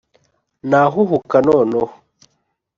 nahuhuka noneho